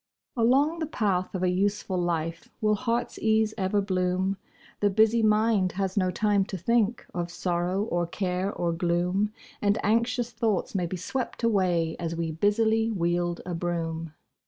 Along the path of a useful life Will heart's ease ever bloom; The busy mind has no time to think Of sorrow, or care, or gloom; And anxious thoughts may be swept away As we busily wield a broom.